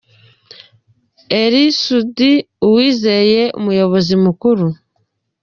Ally Soudy Uwizeye: Umuyobozi Mukuru.